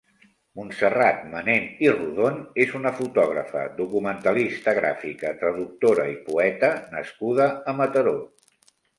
Montserrat Manent i Rodon és una fotògrafa, documentalista gràfica, traductora i poeta nascuda a Mataró.